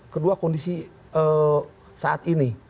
kedua kondisi saat ini